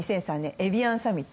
エビアンサミット